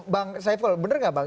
bang saiful benar nggak bang